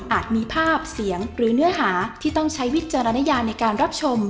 มีภาพเสียงหรือเนื้อหาที่ต้องใช้วิจารณญาในการรับชม